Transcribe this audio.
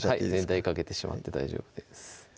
全体かけてしまって大丈夫です